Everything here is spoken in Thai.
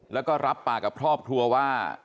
แล้วก็รับปากกับครอบครัวว่า